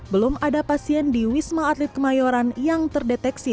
belum ada pasien di wisma atlet kemayoran yang terdeteksi